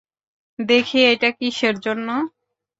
দেখি এইটা কিসের জন্য?